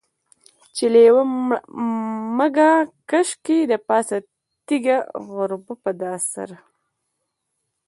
چې لېوه مږه کش کي دپاسه تيږه غربا په دا سر.